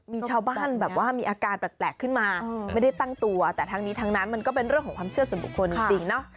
มีชาวบ้านแบบว่ามีอาการแปลกขึ้นมาไม่ได้ตั้งตัวแต่ทั้งนี้ทั้งนั้นมันก็เป็นเรื่องของความเชื่อส่วนบุคคลจริงเนาะ